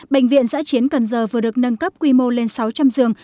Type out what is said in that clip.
bệnh viện giã chiến cần giờ vừa được nâng cấp quy mô lên sáu trăm linh giường